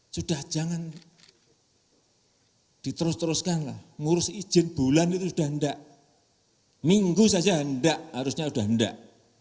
sudah jangan diterus teruskanlah ngurus izin bulan itu sudah tidak minggu saja enggak harusnya sudah enggak